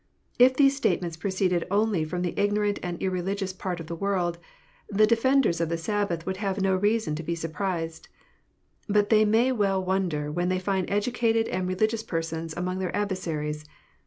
If these statements proceeded only from the ignorant and irreligious part of the world, the defenders of the Sabbath would have no reason to be surprised. But they may well wonder when they find educated and religious persons among their adversaries.